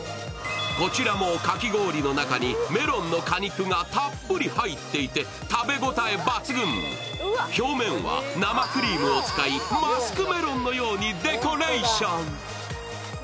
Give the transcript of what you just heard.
こちらもかき氷の中にメロンの果肉がたっぷり入っていて食べ応え抜群表面は生クリームを使いマスクメロンのようにデコレーション。